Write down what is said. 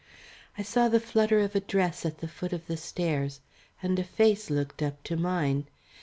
I saw the flutter of a dress at the foot of the stairs, and a face looked up to mine.